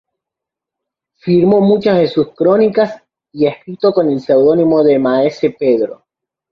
Firmó muchas de sus crónicas y escritos con el seudónimo de Maese Pedro.